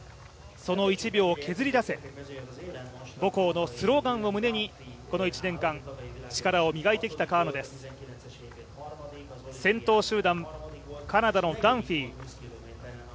「その１秒を削り出せ」、母校のスローガンを胸に、この１年間、力を磨いてきた川野です、先頭集団カナダのダンフィー。